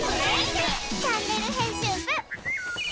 「チャンネル編集部」！